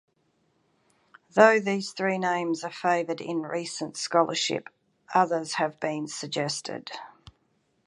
Though these three names are favored in recent scholarship, others have been suggested.